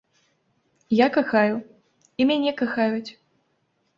Я кахаю, і мяне кахаюць.